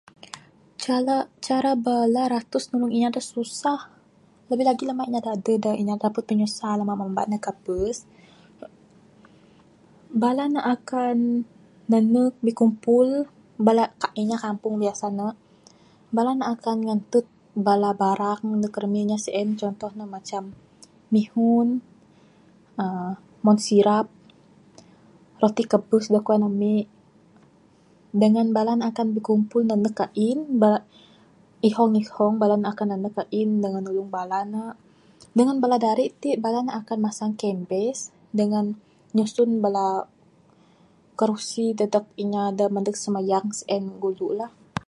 Cala, cara bala ratus nulung inya da susah labih labih lagi namba da napud pinyusah bala mamba ne kabes. Bala ne akan nanek bikumpul, bala inya Kampung biasa ne. Bala ne akan nganted bala barang neg ramin inya sien contoh ne mihun, uhh umon sirap. Roti kabes da kuan ami dangan bala ne akan bikumpul nanek ain. Ihong ihong bala ne akan nanek ain dangan nulung bala ne. Dangan bala dari ti bala ne akan masang canvas dangan nyusun bala kerusi dadeg inya da maneg simayang sien ngulu.